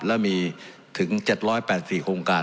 และมีถึง๗๘๔โครงการ